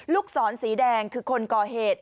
ลูกศรสีแดงคือคนก่อเหตุ